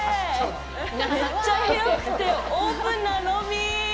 めっちゃ広くてオープンなロビー！